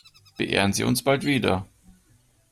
Beehren Sie uns bald wieder!